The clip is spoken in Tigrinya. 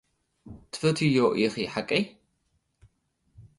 ትፈትውዮ ኢኺ፡ ሓቀይ?